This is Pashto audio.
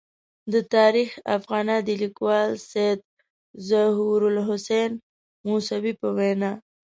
د تاریخ افاغنه د لیکوال سید ظهور الحسین موسوي په وینا.